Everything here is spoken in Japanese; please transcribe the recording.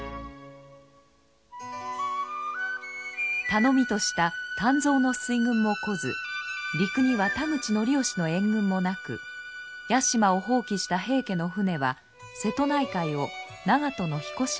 頼みとした湛増の水軍も来ず陸には田口教能の援軍もなく屋島を放棄した平家の船は瀬戸内海を長門の彦島へ向かいます。